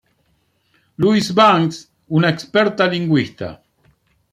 Louise Banks, una experta lingüista.